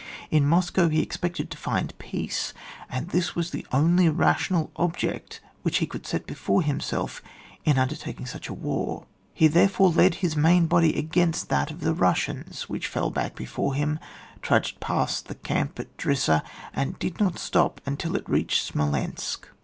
In Moscow he expected to find peace, and this was the only rational object which he could aet before himself in undertaking such a war. He therefore led his main body againat that of the Busaians, which fell back before him, trudged past the camp at Drisaa, and did not stop until it reached Smo lensk.